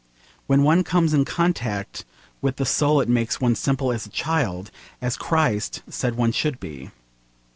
When one comes in contact with the soul it makes one simple as a child, as Christ said one should be.